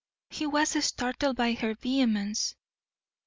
He was startled by her vehemence.